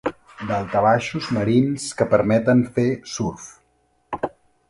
Daltabaixos marins que permeten fer surf.